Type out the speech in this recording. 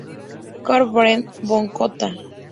Carl Bernhard von Cotta